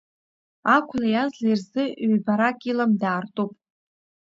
Ақәлеи азлеи рзы ҩбарак илам, даартуп.